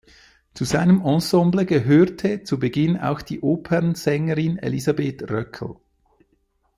Zu seinem Ensemble gehörte zu Beginn auch die Opernsängerin Elisabeth Röckel.